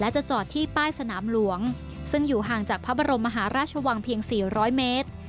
จะจอดที่ป้ายสนามหลวงซึ่งอยู่ห่างจากพระบรมมหาราชวังเพียง๔๐๐เมตร